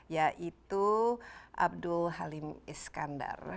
yaitu abdul halim iskandar